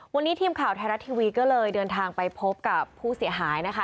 วันนี้ทีมข่าวไทยรัฐทีวีก็เลยเดินทางไปพบกับผู้เสียหายนะคะ